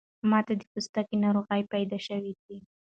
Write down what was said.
ماته د پوستکی ناروغۍ پیدا شوی ده